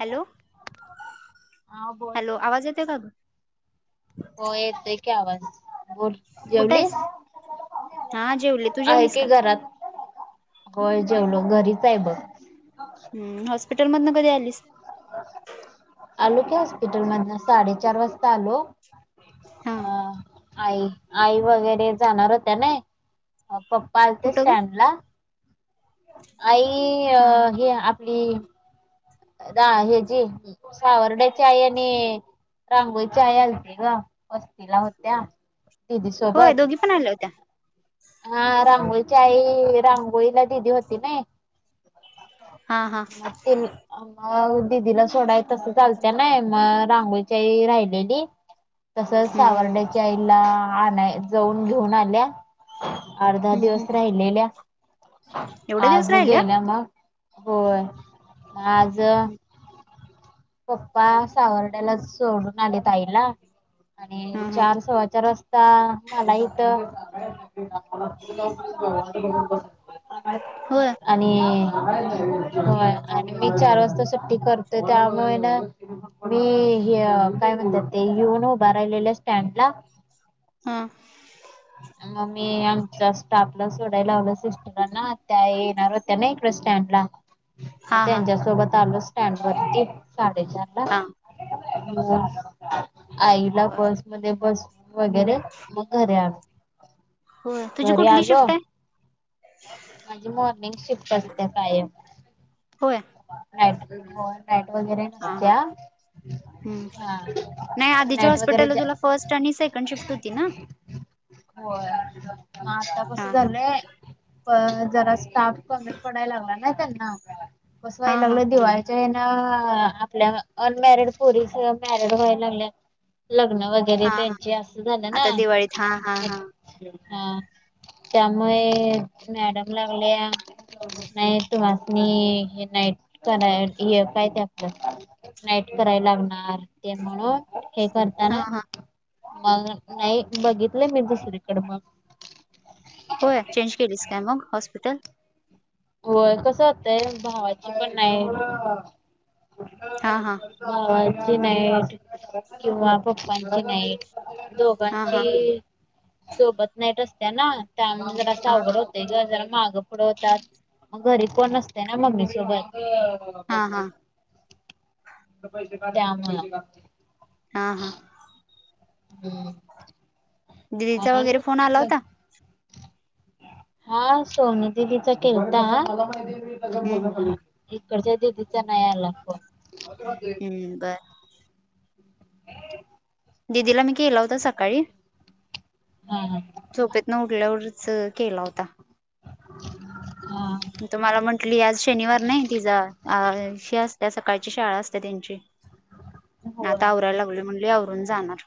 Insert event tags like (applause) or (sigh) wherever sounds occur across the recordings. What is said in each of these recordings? Hello हा बोल hello की. आवाज येत काधू. हो येत आहे क आवाज बोल. कुठं आहेस जेवलीस हा जेवले तू आहे जेवलीस की का घरात. होय जेवलो घरीच आहे बघ. हम हॉस्पिटल मधन कधी आलीस. आलो की हॉस्पिटल मध साडेचार वाजता आलो. हा. अ आई आई वगैरे जाणार होत्या ना पप्पा आलते कुठं ग स्टँड ला. आई हा हा अ हे आपली. द हचीी सावर्ड्याची आहे आणि रांगोई चाय आलते ग वस्तीला होत्या. दिदी होय सोबत दोघी पण आल्या होत्या. हा रांगोळीची आई रांगोळीला दिदी होती ना. हा हा म मग दिदीला सोडाय तसं चालत ना मग रांगोळीच्याही राहिलेली. तसच हम्म हम्म सावर्ड्याच्या आईला आणय जाऊन घेऊन आल्या. अर्धा हम्म हम्म. दिवस राहिलेल्या एवढे दिवस आज राहिल्या गेल्या मग. होय आज पप्पा सावड्यालाच सोडून आले त आाईला. आणि हा हा चार सवाचा रस्ता मला इथ (unintelligible) होय. आणि आणि मी चार वाजता सु्टठी करत त्या. म ना मी काय म्हणतात ते येऊन उभा राहिलेल्या स्टँड ला. हम. मग मी आमच्या स्टाफला सोडायला लावलं सिस्टरांना. त्या येणार होत्या ना इकड स्टँड ला मग हा हा त्यांच्या सोबत आलो स्टँड वरती. साडेचार हा ला आईला होय बस मध्ये बस. वगैरे मग घरी आण. होयं तुझी कुठली शिफ्ट हाय. माझी मॉर्निंग शिफ्ट पडतीया कायम होय. लाईट लाईट वगैरे नसतीया. हं नाही आधीच्या वगैरे हॉस्पिटलला जा तुला फर्स्ट आणि सेकंड शिफ्ट होती ना. होय हा आतां हा कसं हा झालंय. प जरा स्टाफ कमी पडायला लागलाय त्यांना हा बसवाय हा लागलाय दिवाळीत तेनं आपल्या अनमॅरिड पोरीस मॅरिड व्हायला लागल्यात. लग्न वगैरे हा त्यांची असं झालं ना. आता दिवाळीत हा हा हा हा त्यामुळे मॅडम लागलीया. नाही तुमासनी हे नाही कराय हे काय ते आपलं. नाईट कराय लागणार ते म्हणून हे हा करताना हा मग नाही बघितलं मी दुसरीकडे मग. होय चेंज केलीस काय मग हॉस्पिटल. होय कसं होतयं भावाची पण नाइट. हा हा भावाची नाईट किंवा पप्पांची नाईट. हा हा दोघांची सोबत नाइट असतीया ना त्यामुळं जरासं हा अवघड होत. तेज्या जरा माग पुढं होतात मग घरी कोण नसतयं ना मम्मी सोबत. हा हा त्यामुळं. हा हा. हम्. दिदीचा वगैरे फोन आला होता. बघितलं हा सोमी दिदीचा केलता. हम्म इकडच्या दिदीचा नाही आला फोन. ह बरं. दिदीला मी केला होता सकाळी. हा हा. झोपेतन उठल्यावरच केला होता. हा तु मला म्हंटली आज शनिवार नाही तिचा अ ह शी असतीया सकाळची शाळा असतीया तेंची. होय आता आवरायला लागलोय म्हटली आवरून जाणार.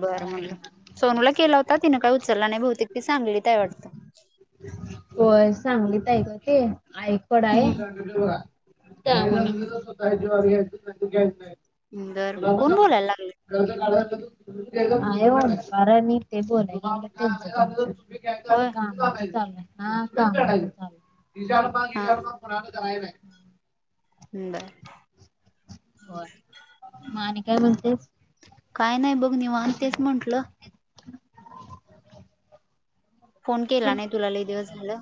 बरं म्हणलं सोनूला केला होता तिनं काय उचलला नाही बहुतेक ती सांगलीत हाय वाटतं. होय सांगलीत हाय गं ती आईकडं आहे हम्म त्या हम्म (unintelligible) दर कोण बोलायला लागलयं. आहे वाटतं कारण ते हा कामं कायं होय झालंय (unintelligible) म्हणून आम्ही हा कराय नाही. (unintelligible) हो म आणि काय म्हणतेस. काय नाही बघ निवांत तेच म्हटलं. फोन केला नाही तुला लयं दिवस झालं.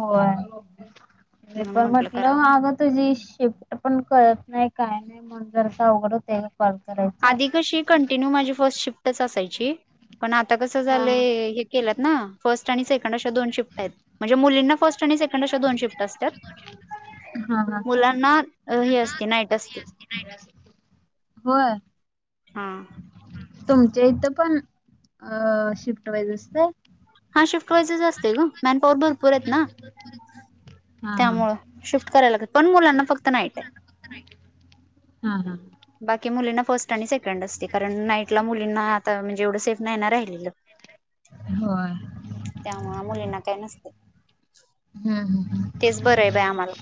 होय म्हणून पण म्हंटलं करावं म्हटलं अगं तुझी शिफ्ट पण कळत नाही काय नाही म्हणून जरासं अवघड होतंय. कॉल करायचं. आधी कशी कंटिन्यू माझी फर्स्ट शिफ्टच असायची पण आता कसं हा हा. झालंय केलात ना फर्स्ट आणि सेकंड अशा दोन शिफ्ट आहेत म्हणजे मुलींना फर्स्ट आणि सेकंड अशा दोन शिफ्ट असतात ह हा हा मुलांना हे असते नाईट असते हो हा तुमच्या इथं पण अ शिफ्ट व्हायचं असतंय हा शिफ्ट वाईज असते ग का मॅनपॉवर भरपूर आहेत ना हा हा त्यामुळ शिफ्ट करायला लागत पण मुलांना फक्त नाहीट आहे हा हा बाकी मुलींना फर्स्ट आणि सेकंड असते कारण नाईटला मुलींना आता म्हणजे एवढं सेफ नाही ना राहिलेलं हो त्यामुळे मुलींना काय नसते हम् हम हम तेच बरं आहे बाय आम्हाला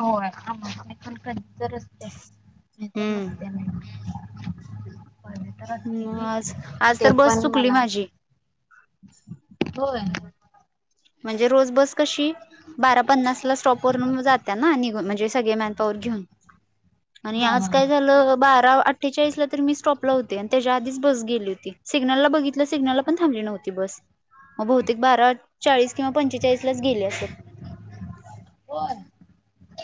हो पण काहीतर असते नाहीतर हम्म. नसते नाही माझं तर असले मग आज की आज ते तर बस पण चुकली मनात माझी होय म्हणजे रोज बस कशी बारा पन्नासला स्टॉप वरून जात्या ना निघून म्हणजे सगळे मॅनपावर घेऊन. आणि आज हा काय हा झालं बारा अठ्ठेचाळीस ला तर मी स्टॉपला होते आणि त्याच्या आधीच बस गेली होती सिग्नलला बघितलं सिग्नल ला पण थांबली नव्हती बस मग बहुतेक बारा चाळीस किंवा पंचेचाळीस लाच गेले असेल कोन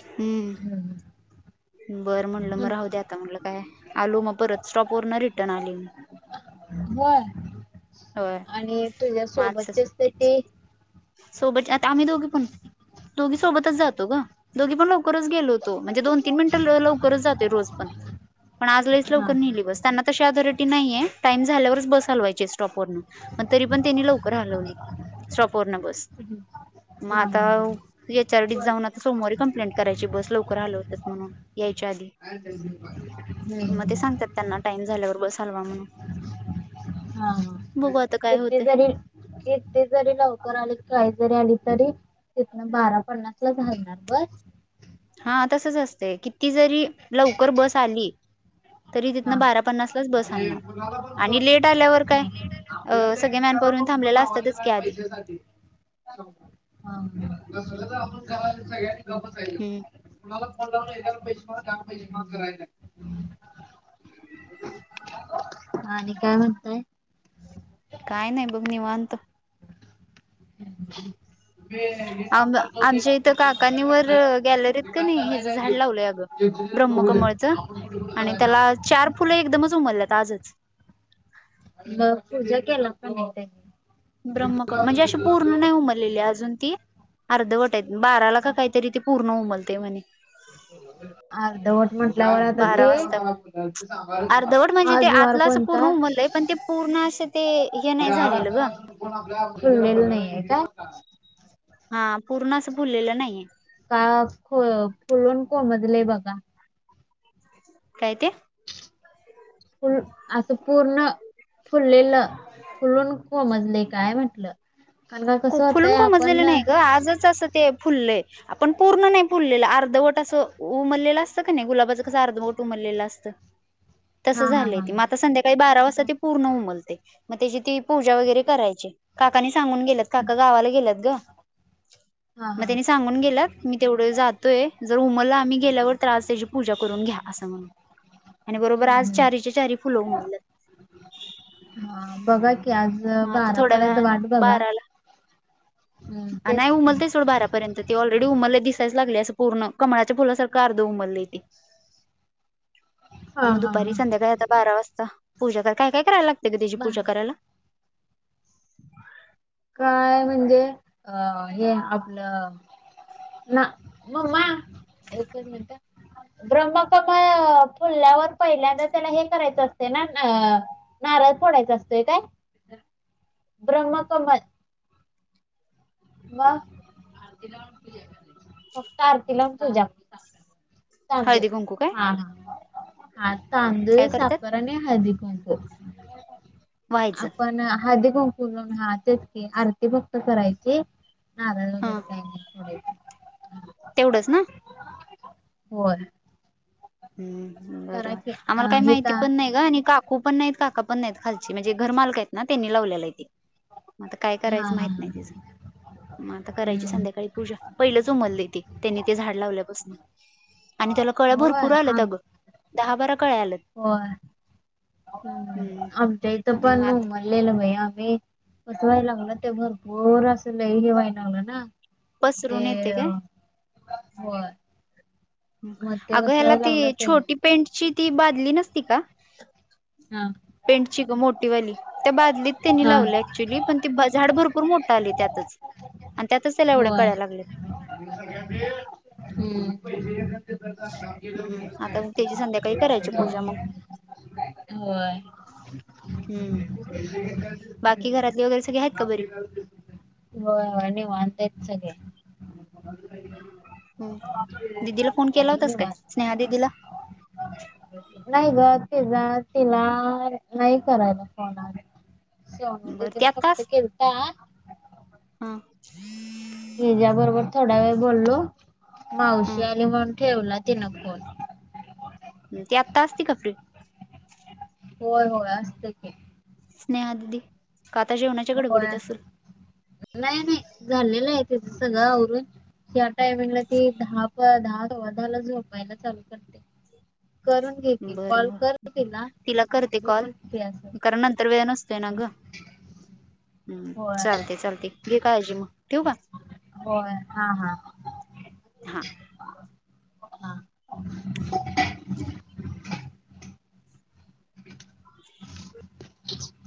हम्म हम् ह बरं म्हटलं मग राहू दे्या आता म्हटलं काय आलू मग परत स्टॉप वर न रिटर्न आली होय होय आणि तुझ्या मग आज सोबतचे असते सुट्टीच ते सोबत आता आम्ही दोघे पण दोघी सोबतच जातो ग दोघी पण लवकरच गेलो होतो म्हणजे दोन तीन मिनिटं लवकरच जाते रोज पण पण आज लईच हा हा लवकर नेली हा बस त्यांना तशी ऑथॉरिटी नाहीये टाइम झाल्यावरच बस हलवायची स्टॉपवररन मग तरी पण त्यांनी लवकर हलवली स्टॉप वरून बस मग हा आता हम्म. एच आरडीत हा जाऊन आता सोमवारी कंप्लेंट करायची बस लवकर हलवतात म्हणून यायच्या आधी मग ते सांगतात त्यांना टाइम झाल्यावर बस हालवा म्हणून हा बघू आता काय किती होते जरी किती जरी लवकर आले काही जरी आली तरी तिथून बारा पन्नास ला हलणार बस हा तसच असतेय किती जरी लवकर बस आली तरी हा. तिथनं बारा पन्नास लाच बस म्हणजे सांगणार कुणाला पण ब आणि लेट आल्यावर काय अ आपल्याला सगळे एकट्याला मॅनपावर येऊन पण फोन थांबलेला लावायचा असतातच की नाही आधी पैशासाठी हा हा हम्म तुणाला फोन लावून (unintelligible) आणि काय म्हणताय? काय नाही बघ निवात. ह आम आमच्या इथं काकानी वर गॅलरीत ते काय कणी करायचं ह्याचं झाड नाही ते. लावलंय अगं ज्याचं त्यानं बघू दे. ब्रह्मकमळचं आपण कुठं कुठं आणि त्याला करायचं. चार फुलं एकदमच उमलल्यात आजच. मग पूजा केला का नाही ताई? ब्रम्मकमळ म्हणजे अशी पूर्ण नाही उमत अजून ती अर्धवट आहेत बाराला का हा. काहीतरी पूर्ण उमलतय म्हणे. (inaudible) अर्धवट म्हटल्यावर आता बारा ते वाजता अर्धवट आज वार कोणता? पूर्णा अशे ते हे नाही झालेलं ग फुललेलं नाही आहे का? हा पूर्ण अस फुललेलं नाहीये. का फू फुलून कोमजलय बघा. काय ते? फुल असं पूर्ण फुललेलं फुलून कोमजलय काय म्हटलं. कारण का कसं होतंय फुलून आपण कोमजलेलं हा नाही ग आजच असं ते फुललंय. आपण पूर्ण नाही फुललेलं अर्धवट असं उमरलेलं असतं कणी गुलाबाचं कसं अर्धवट उमरलेलं असतं. (inaudible) तसं हा झालंय हा त मग हा आता संध्याकाळी बारा वाजता ती पूर्ण उमलतय मग त्याची ती पूजा वगैरे करायची. काकानी सांगून गेल्यात. काका गावाला गेल्यात ग हा मग हा त्यानी हम्म सांगून गेल्यात मी तेवढ जातोय जर उमल आम्ही गेल्यावर तर आज त्याची पूजा करून घ्या असं म्हण. आणि बरोबर आज हम्म चारीच्या चारी फुलं उमलल्यात. हा बघा की आज मग आता थोड्या बारापर्यंत वेळानं वाट बघा. हम्म आ नाही तेच की उमलयत सोड बारा पर्यंत ती ऑलरेडी उमलय दिसायच लागलय असं पूर्ण कमळाच्या फुलासारख अर्ध उमललय ते. हा मग हा हा दुपारी संध्याकाळी आता बारा वाजता, पूजा कर काय काय करायला लाग तय त्याची बा पूजा करायला? कायय म्हणजे अ हे आपलं ना मम्मा एकच मिनट ह. ब्रम्हकमळ फुलल्यावर पहिल्यांदा त्याला हे करायचं असते ना अ नारळ फोडायचा असतोय काय ब्रह्म कमल मग फक्त आरती लाऊन पूजा हळदी कुंकू काय (unintelligible) हा हा. हा तांदूळ, काय करतात साखर आणि हळदी कुंकू. व्हायचं आपण हळदी कुंकू हा तेच की आरती फक्त करायची नारळ हा वगैरे काही नाही. तेवढंच ना? व्हय. हम बरय की आम्हाला अ काही माहिती हिता पण नाही ग आणि का काकू पण नाहीत काका पण नाहीत खालची म्हणजे घर मालक आहेत ना त्यांनी लावलेला आहे ते. आता काय हा करायचं हा माहित हा नाही त्याच. मग आता करायची हम्म संध्याकाळी पूजा. पहिलंच उमललय ते त्यांनी ते झाड लावल्यापासून. आणि त्याला कळ भर होय दहा बारा कळ्या आल्यात. व्हय हम्म आमच्या इथं मग पण आता उम लेलं आम्ही (unintelligible) भरपूर असं लई होय लागलं ना ते पसरून येते काय अ (unintelligible) अगं ह्याला लागलं ती ते छोटी पेंटची ती बाधली नसती का? हा पेंटची ग मोठीवाली त्या बादलीत त्यांनी हा लावल्या. क्च्युली पण ती झाड भरपूर मोठं आल त्यातच आणि त्यातच त्याला एवढे होय कळ्या लागलेत. हम्म हम्म (unintelligible) आता मग त्याची संध्याकाळी करायची पूजा मग (inaudible) व्हय. हम्म (inaudible) बाकी घरातली वगैरे सगळे आहेत का बरी (inaudible) होय, निवांत आहेत सगळे दिदीला फोन केला होय होतास काय? निवांत स्नेहा दिदीला? नाही ग तिला तिला नाही करायला (unintelligible) बर ती (unintelligible) फक्त आत्तास केलता हा (unintelligible) तिज्या बरोबर थोडा वेळ बोललो मावशी हा आली म्हणून ठेवला तिनं फोन म आत्ता असती का फ्री होय होय असत्या की स्नेहा दिदी कातर जेवणाच्या होय गडबडीत अस असल नाही नाही झालेलं आहे तीच सगळं आवरून. या टायमिंगला ती द दहा दहा ला झोपायला चालू क (unintelligible) बर म तिला करते कॉल बोल की असं कारण नंतर वेळ नस तेनग हम्म होय चालतय चालतय घे काळजी मग ठेऊ का होय हा हा हा हा (inaudible) (inaudible)